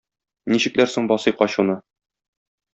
Ничекләр соң басыйк ачуны?